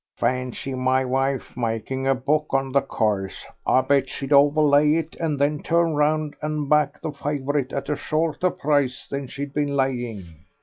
"Fancy my wife making a book on the course. I bet she'd overlay it and then turn round and back the favourite at a shorter price than she'd been laying."